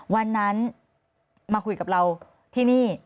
วันนั้นมาคุยกับเราที่นี่